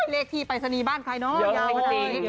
เลขที่ไปสนีบ้านใครเนอะยาวเยอะ